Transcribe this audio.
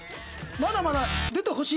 「まだまだ出てほしい」？